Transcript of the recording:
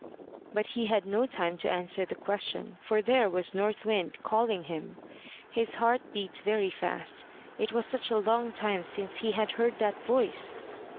But he had no time to answer the question, for there was North Wind calling him. His heart beat very fast, it was such a long time since he had heard that voice.